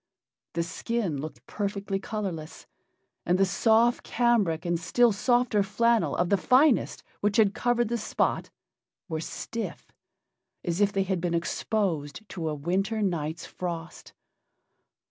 The skin looked perfectly colorless, and the soft cambric and still softer flannel of the finest which had covered the spot were stiff, as if they had been exposed to a winter night's frost.